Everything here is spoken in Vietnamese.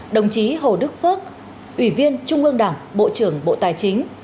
đồng chí hồ đức phước ủy viên trung ương đảng bộ trưởng bộ tài chính